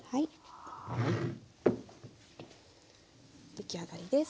出来上がりです。